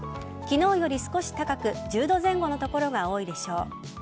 昨日より少し高く１０度前後の所が多いでしょう。